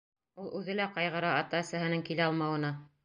Ул үҙе лә ҡайғыра ата-әсәһенең килә алмауына.